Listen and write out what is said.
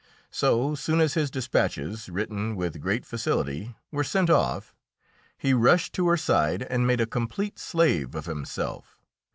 So soon as his despatches, written with great facility, were sent off, he rushed to her side and made a complete slave of himself.